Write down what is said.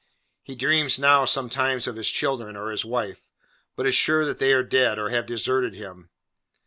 He dreams now, sometimes, of his children or his wife, but is sure that they are dead, or have deserted him.